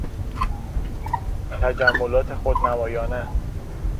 تجملات خودنمایانه